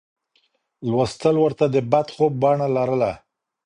لوستل ورته د بد خوب بڼه لرله.